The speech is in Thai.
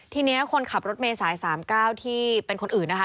ทีนี้คนขับรถเมษาย๓๙ที่เป็นคนอื่นนะคะ